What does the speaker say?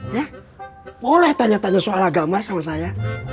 ya boleh tanya tanya soal agama sama saya